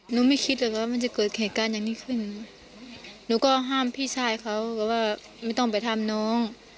ไม่คิดหรอกว่ามันจะเกิดเหตุการณ์อย่างนี้ขึ้นหนูก็ห้ามพี่ชายเขาแบบว่าไม่ต้องไปทำน้อง